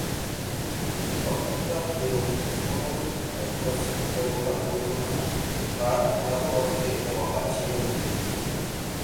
তখনকার কেউ কোনরূপ ধারালো অস্ত্র ব্যবহার করত না বা ধারালো অস্ত্রের ব্যবহার ছিল না।